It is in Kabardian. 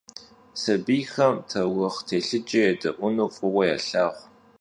Sabiyxem taurıxh têlhıce yêde'uenu f'ıue yalhağu.